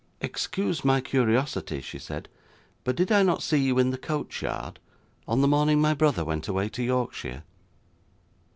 'Excuse my curiosity,' she said, 'but did I not see you in the coachyard, on the morning my brother went away to Yorkshire?